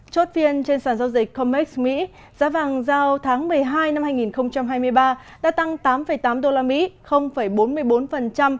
chốt phiên trên sàn giao dịch comex mỹ giá vàng giao tháng một mươi hai năm hai nghìn hai mươi ba đã tăng tám tám usd